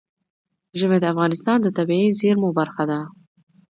ژمی د افغانستان د طبیعي زیرمو برخه ده.